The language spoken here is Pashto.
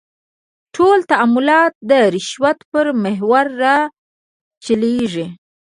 ټول تعاملات د رشوت پر محور راچولېږي.